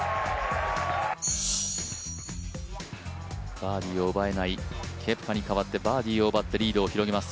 バーディーを奪えないケプカに代わってバーディーを奪ってリードを広げます。